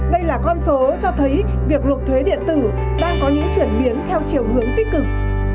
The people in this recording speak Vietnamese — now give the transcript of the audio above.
đây là con số cho thấy việc nộp thuế điện tử đang có những chuyển biến theo chiều hướng tích cực